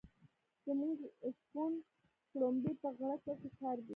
زموږ شپون شړومبی په غړکه کې شاربي.